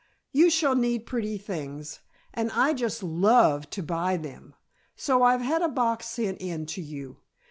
"You shall need pretty things, and I just love to buy them, so I've had a box sent in to you.